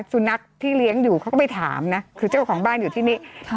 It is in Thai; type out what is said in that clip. สุนัขที่เลี้ยงอยู่เขาก็ไปถามนะคือเจ้าของบ้านอยู่ที่นี่